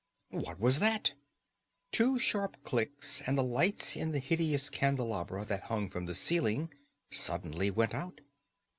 What was that? Two sharp clicks and the lights in the hideous candelabra that hung from the ceiling suddenly went out.